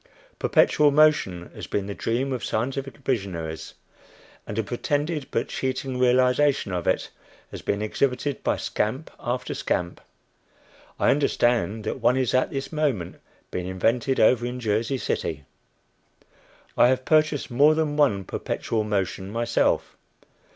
Perpetual motion has been the dream of scientific visionaries, and a pretended but cheating realization of it has been exhibited by scamp after scamp. I understand that one is at this moment being invented over in Jersey City. I have purchased more than one "perpetual motion" myself.